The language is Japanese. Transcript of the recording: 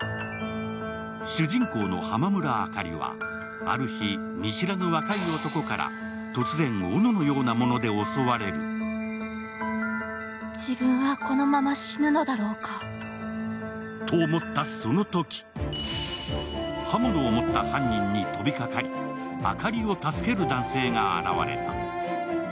主人公の浜村明香里は、ある日、見知らぬ若い男から突然、おののようなもので襲われる。と思ったそのとき刃物を持った犯人に飛びかかり明香里を助ける男性が現れた。